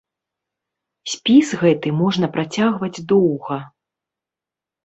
Спіс гэты можна працягваць доўга.